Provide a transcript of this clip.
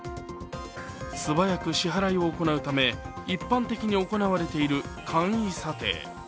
素早く支払いを行うため一般的に行われている簡易査定。